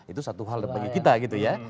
itu satu hal bagi kita gitu ya